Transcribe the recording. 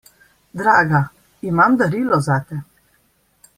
Draga, imam darilo zate.